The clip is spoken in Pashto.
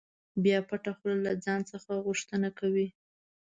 بیا پټه خوله له ځان څخه پوښتنه کوي.